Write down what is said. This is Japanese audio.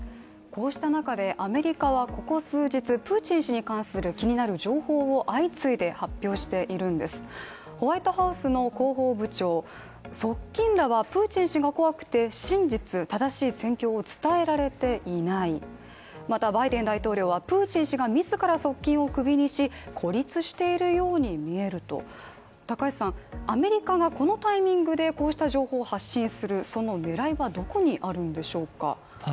こうした中でアメリカはここ数日、プーチン氏に関する気になる情報を相次いで発表しているんです、ホワイトハウスの広報部長、側近らはプーチン氏が怖くて、真実正しい戦況を伝えられていない、またバイデン氏は、プーチン氏が自ら側近をクビにし孤立しているように見えると、アメリカがこのタイミングでこうした情報を発信するその狙いはどこにあるんでしょうか？